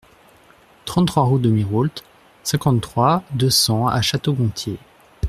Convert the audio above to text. trente-trois route de Mirwault, cinquante-trois, deux cents à Château-Gontier